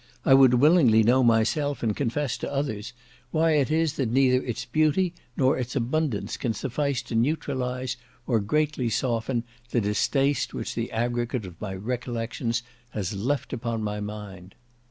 I would willingly know myself, and confess to others, why it is that neither its beauty nor its abundance can suffice to neutralize, or greatly soften, the distaste which the aggregate of my recollections has left upon my mind.